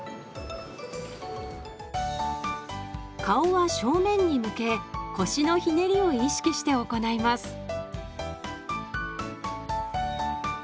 顔は正面に向け腰のひねりを意識して行います。